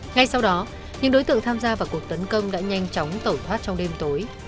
ngay sau đó những đối tượng tham gia vào cuộc tấn công đã nhanh chóng tẩu thoát trong đêm tối